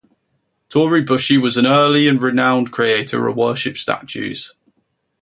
Tori Busshi was an early and renowned creator of worship statues.